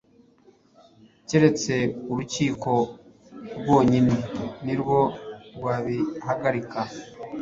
keretse urukiko rwonyine nirwo rwabihagarika